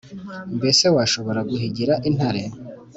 “mbese washobora guhigira intare ‘